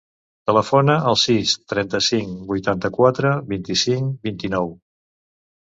Telefona al sis, trenta-cinc, vuitanta-quatre, vint-i-cinc, vint-i-nou.